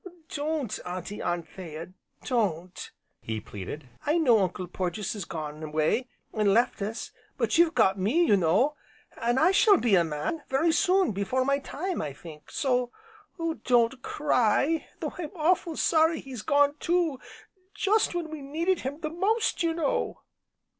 "Don't, Auntie Anthea, don't!" he pleaded. "I know Uncle Porges has gone away, an' left us, but you've got me left, you know, an' I shall be a man very soon, before my time, I think. So don't cry, though I'm awful' sorry he's gone, too just when we needed him the most, you know!"